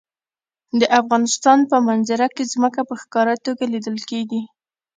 د افغانستان په منظره کې ځمکه په ښکاره توګه لیدل کېږي.